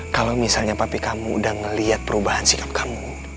kalo misalnya papi kamu udah ngeliat perubahan sikap kamu